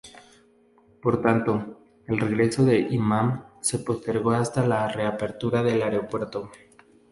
Por tanto, el regreso del Imam se postergó hasta la reapertura del aeropuerto.